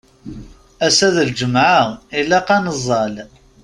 Ass-a d lǧemɛa, ilaq ad neẓẓal.